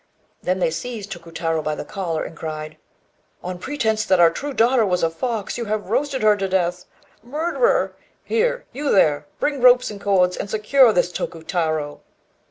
Then they seized Tokutarô by the collar, and cried "On pretence that our true daughter was a fox, you have roasted her to death. Murderer! Here, you there, bring ropes and cords, and secure this Tokutarô!"